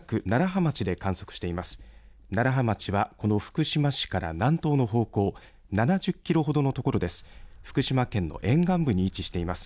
楢葉町はこの福島市から南東の方向、７０キロほどのところです。